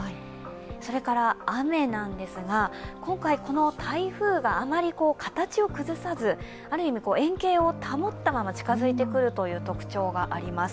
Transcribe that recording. それから、雨なんですが、今回この台風があまり形を崩さずある意味円形を保ったまま近づいてくる特徴があります。